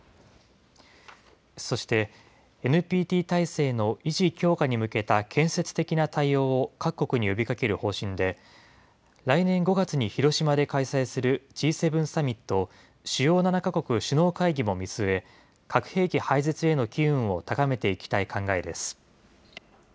そして、ＮＰＴ体制の維持・強化に向けた建設的な対応を各国に呼びかける方針で、来年５月に広島で開催するＧ７サミット・主要７か国首脳会議も見据え、核兵器廃絶への機運を高めていきたい考えです。